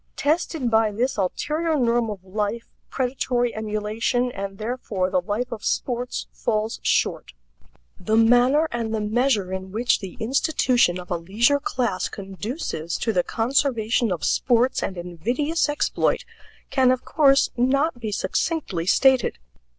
Tested by this ulterior norm of life, predatory emulation, and therefore the life of sports, falls short. The manner and the measure in which the institution of a leisure class conduces to the conservation of sports and invidious exploit can of course not be succinctly stated.